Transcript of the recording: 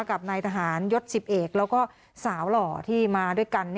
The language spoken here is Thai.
กับนายทหารยศ๑๐เอกแล้วก็สาวหล่อที่มาด้วยกัน